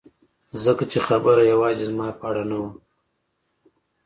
ځکه چې خبره یوازې زما په اړه نه وه